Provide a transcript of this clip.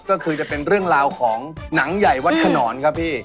ก็คือจะเป็นเรื่องราวของหนังใหญ่วัดขนอนครับพี่